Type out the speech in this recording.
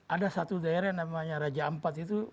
ada satu daerah yang namanya raja ampat itu